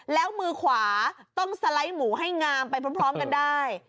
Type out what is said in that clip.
แล้วมือขวาต้องสไลด์หมูให้งามไปพร้อมกันได้